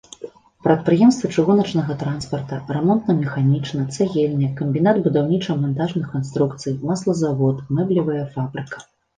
Прадпрыемствы чыгуначнага транспарта, рамонтна-механічны, цагельня, камбінат будаўніча-мантажных канструкцый, маслазавод, мэблевая фабрыка.